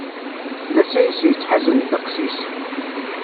D asayes yettḥazen ddeqs-is.